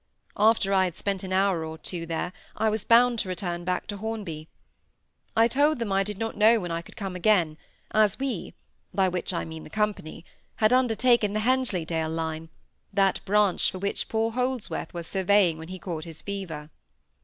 After I had spent an hour or two there, I was bound to return back to Hornby. I told them I did not know when I could come again, as we—by which I mean the company—had undertaken the Hensleydale line; that branch for which poor Holdsworth was surveying when he caught his fever.